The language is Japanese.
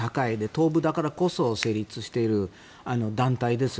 東部だからこそ成立している団体です。